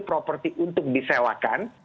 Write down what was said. property untuk disewakan